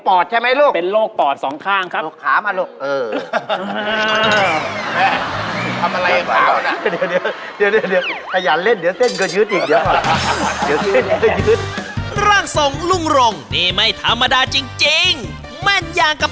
เอามาเป็นโรคปอดนะครับผมเป็นโรคปอดใช่ไหมลูก